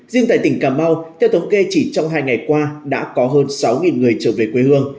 riêng tại tỉnh cà mau theo thống kê chỉ trong hai ngày qua đã có hơn sáu người trở về quê hương